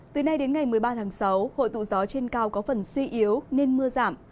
từ nay đến ngày một mươi ba tháng sáu hội tụ gió trên cao có phần suy yếu nên mưa giảm